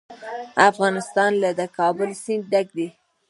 افغانستان له د کابل سیند ډک دی.